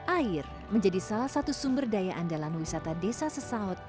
air menjadi salah satu sumber daya andalan wisata desa sesaat